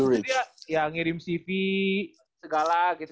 blue ridge itu dia yang ngirim cv segala gitu